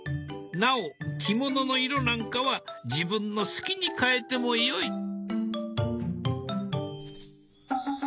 なお着物の色なんかは自分の好きに変えてもよい。